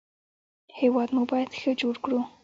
هېواد مو باید ښه جوړ کړو